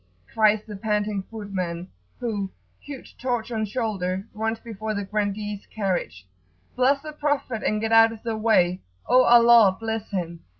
cries the panting footman, who, huge torch on shoulder, runs before the grandee's carriage; "Bless the Prophet and get out of the way!" "O Allah bless him!"